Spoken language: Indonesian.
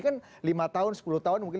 sudah tidak relevan lagi dengan kondisi